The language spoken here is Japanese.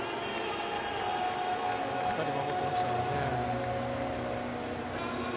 あそこに２人守ってましたからね。